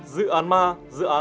dự án ma